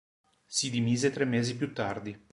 Si dimise tre mesi più tardi.